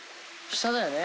下だよね